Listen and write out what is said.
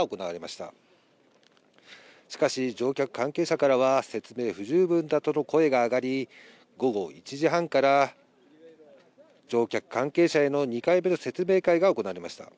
しかし、乗客関係者からは、説明不十分だとの声が上がり、午後１時半から、乗客関係者への２回目の説明会が行われました。